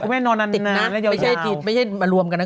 ไม่ใช่มารวมกันนะ